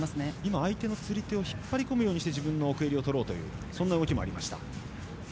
相手の釣り手を引っ張りこむように自分の奥襟を取ろうというそんな動きもありました。